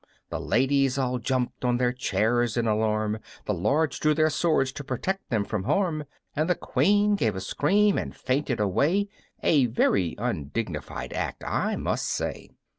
The ladies all jumped on their chairs in alarm, The lords drew their swords to protect them from harm, And the Queen gave a scream and fainted away A very undignified act, I must say.